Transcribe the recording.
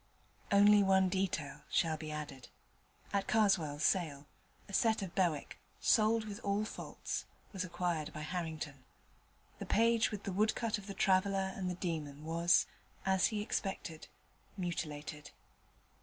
Only one detail shall be added. At Karswell's sale a set of Bewick, sold with all faults, was acquired by Harrington. The page with the woodcut of the traveller and the demon was, as he had expected, mutilated.